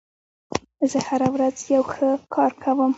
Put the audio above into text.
زه هره ورځ یو ښه کار کوم.